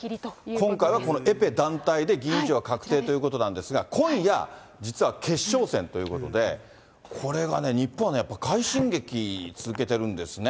今回はエペ団体で銀以上が確定ということなんですが、今夜、実は決勝戦ということで、これがね、日本はやっぱ快進撃続けてるんですね。